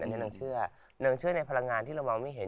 อันนี้นางเชื่อนางเชื่อในพลังงานที่เรามองไม่เห็น